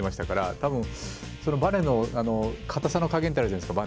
多分そのばねのかたさの加減ってあるじゃないですか。